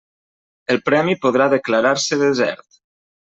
El premi podrà declarar-se desert.